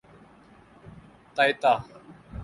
تائتا